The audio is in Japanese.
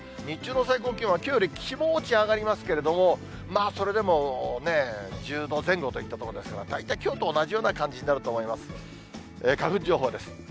日中の最高気温はきょうより気持ち上がりますけれども、それでも１０度前後といったところですから、大体きょうと同じような感じになると思います。